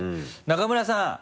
中村さん